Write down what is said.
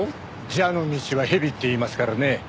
蛇の道は蛇っていいますからね。